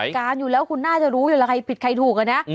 เหตุการณ์อยู่แล้วคุณน่าจะรู้หรืออะไรผิดใครถูกอะนะ